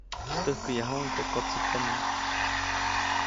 Täjkäyajuʼuŋ teʼ kotsäjkomo.